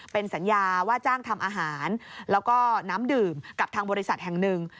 เป็นสัญญาว่าจ้างทำอาหารแล้วก็น้ำดื่มกับทางบริษัทแห่งหนึ่ง